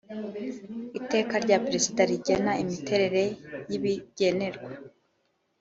Iteka rya Perezida rigena imiterere y ibigenerwa